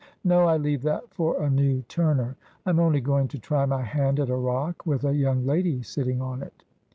' No ; I leave that for a new Turner. I am only going to try my hand at a rock with a young lady sitting on it.'